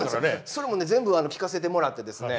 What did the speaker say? それもね全部聞かせてもらってですね。